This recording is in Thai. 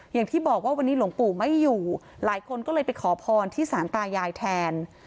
อย่างที่บอกว่าวันนี้หลวงปู่ไม่อยู่หลายคนก็เลยไปขอพรที่สารตายายแทน